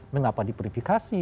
mengapa di verifikasi